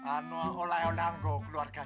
ini tadi kita temukan